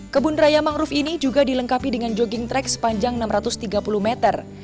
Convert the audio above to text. kebun raya mangrove ini juga dilengkapi dengan jogging track sepanjang enam ratus tiga puluh meter